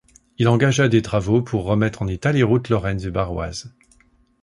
Il engagea des travaux pour remettre en état les routes lorraines et barroises.